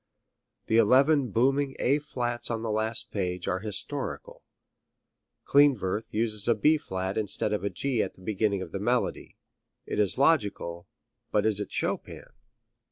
The eleven booming A flats on the last page are historical. Klindworth uses a B flat instead of a G at the beginning of the melody. It is logical, but is it Chopin?